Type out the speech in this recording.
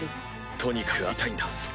とにかく会いたいんだ。